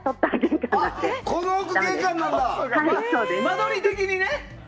間取り的にね。